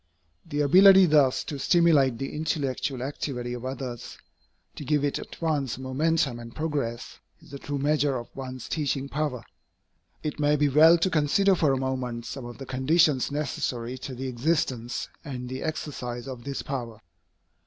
The ability thus to stimulate the intellectual activity of others, to give it at once momentum and progress, is the true measure of one's teaching power. It may be well to consider for a moment some of the conditions necessary to the existence and the exercise of this power.